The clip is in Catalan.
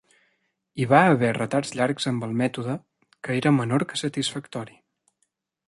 Hi va haver retards llargs amb el mètode, que era menor que satisfactori.